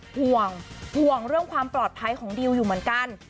ห่วงห่วงเรื่องความปลอดภัยของดิวอยู่เหมือนกัน